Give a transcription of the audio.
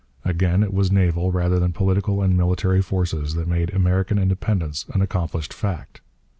Again, it was naval rather than political and military forces that made American independence an accomplished fact.